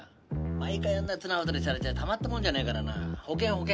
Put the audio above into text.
毎回あんな綱渡りされちゃたまったもんじゃねえからな保険保険。